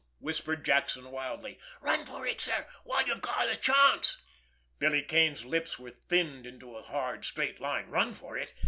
whispered Jackson wildly. "Run for it, sir—while you've got the chance!" Billy Kane's lips were thinned into a hard, straight line. Run for it!